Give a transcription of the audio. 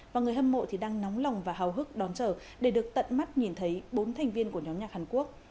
và người hâm mộ thì đang nóng lòng và hào hức đón chờ để được tận mắt nhìn thấy bốn thành viên của nhóm nhạc hàn quốc